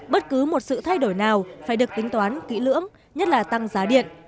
bất cứ một sự thay đổi nào phải được tính toán kỹ lưỡng nhất là tăng giá điện